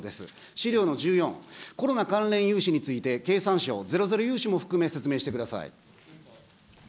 資料の１４、コロナ関連融資について、経産省、ゼロゼロ融資も含め、説明してください。